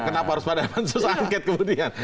kenapa harus pada konsulsa anket kemudian